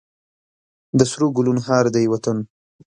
د سرو ګلونو هار دی وطن.